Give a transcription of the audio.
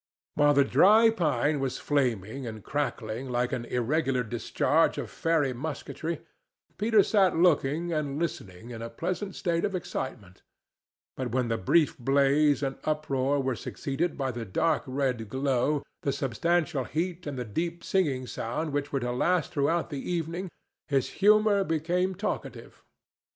While the dry pine was flaming and crackling like an irregular discharge of fairy musketry, Peter sat looking and listening in a pleasant state of excitement; but when the brief blaze and uproar were succeeded by the dark red glow, the substantial heat and the deep singing sound which were to last throughout the evening, his humor became talkative.